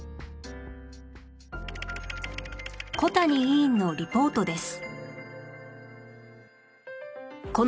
小谷委員のリポートです